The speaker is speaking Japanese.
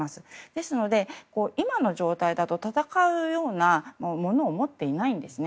ですので、今の状態だと戦うようなものを持っていないんですね。